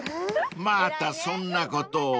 ［またそんなことを］